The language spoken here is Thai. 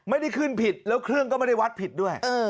ไม่ได้ขึ้นผิดแล้วเครื่องก็ไม่ได้วัดผิดด้วย